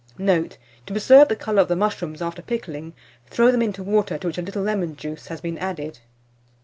Note. To preserve the colour of the mushrooms after pickling, throw them into water to which a little lemon juice has been added.